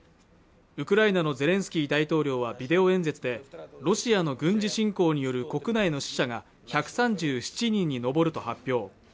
ウクライナのゼレンスキー大統領はビデオ演説でロシアの軍事侵攻による国内の死者が１３７人に上ると発表